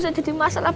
iya dua kali